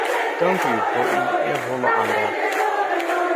Dank u voor uw eervolle aandacht.